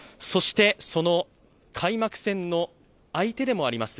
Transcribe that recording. その開幕戦の相手でもあります